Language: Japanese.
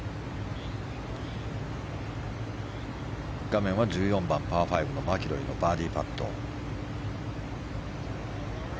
画面は１４番、パー５マキロイのバーディーパット。